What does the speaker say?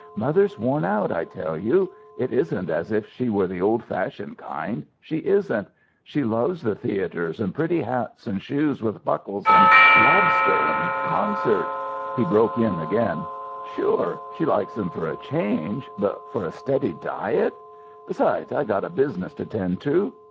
Mother's worn out, I tell you. It isn't as if she were the old fashioned kind; she isn't. She loves the theatres, and pretty hats, and shoes with buckles, and lobster, and concerts." He broke in again: "Sure; she likes 'em for change. But for a steady diet Besides, I've got a business to 'tend to.